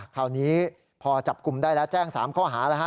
คราวนี้พอจับกลุ่มได้แล้วแจ้ง๓ข้อหาแล้วฮะ